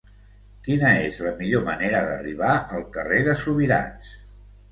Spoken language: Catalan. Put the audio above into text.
Quina és la millor manera d'arribar al carrer de Subirats?